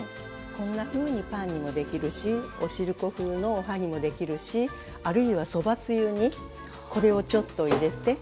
こんなふうにパンにもできるしおしるこ風のおはぎもできるしあるいはそばつゆにこれをちょっと入れて。